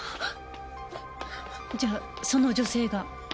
じゃあその女性が。